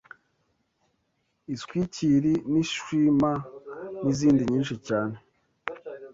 iswikiri n’ishwima n’izindi nyinshi cyane